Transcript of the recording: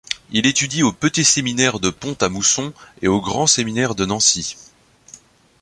Il étudie au petit séminaire de Pont-à-Mousson et au grand séminaire de Nancy.